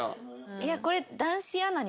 いやこれ。